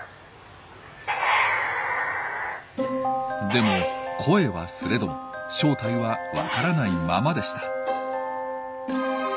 でも声はすれども正体はわからないままでした。